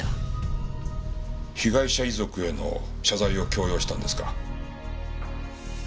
被害者遺族への謝罪を強要したんですか？